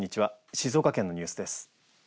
静岡県のニュースです。